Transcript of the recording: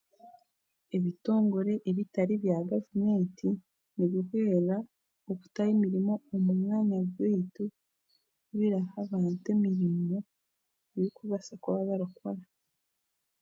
Ebitongore ebitari bya gavumenti nibihwera okutaho emirimo omu byanga byaitu biraha abantu emirimo ei kubaasa kuba barakora